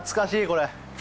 これ。